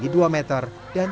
tidak ada batang